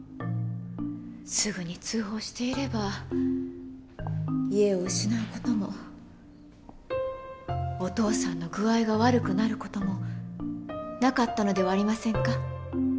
すぐに通報していれば家を失う事もお父さんの具合が悪くなる事もなかったのではありませんか？